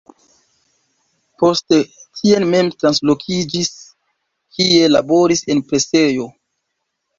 Poste tien mem translokiĝis, kie laboris en presejo.